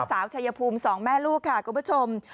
สาวชายภูมิ๒แม่ลูกค่ะคุณผู้ชม